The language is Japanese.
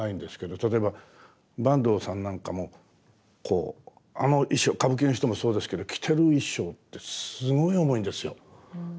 例えば坂東さんなんかもあの衣装歌舞伎の人もそうですけど着てる衣装ってすごい重いんですよ。